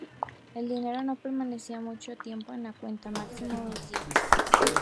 El dinero no permanecía mucho tiempo en la cuenta; máximo dos días.